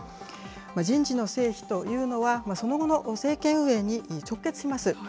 人事の成否というのはその後の政権運営に直結します。